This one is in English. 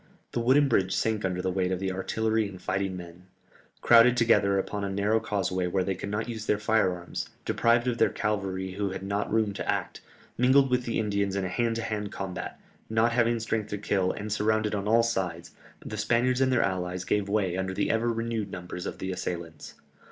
The wooden bridge sank under the weight of the artillery and fighting men. Crowded together upon a narrow causeway where they could not use their fire arms, deprived of their cavalry who had not room to act, mingled with the Indians in a hand to hand combat, not having strength to kill, and surrounded on all sides, the Spaniards and their allies gave way under the ever renewed numbers of the assailants.